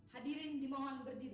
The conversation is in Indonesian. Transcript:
hadirin di mohon berdiri